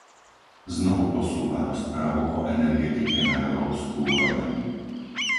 Znovu posúva rozpravu o energetike na európsku úroveň.